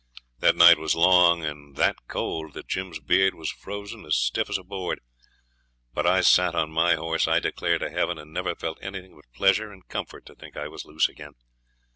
The night was long, and that cold that Jim's beard was froze as stiff as a board; but I sat on my horse, I declare to heaven, and never felt anything but pleasure and comfort to think I was loose again.